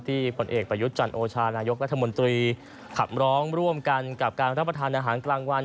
ผลเอกประยุทธ์จันโอชานายกรัฐมนตรีขับร้องร่วมกันกับการรับประทานอาหารกลางวัน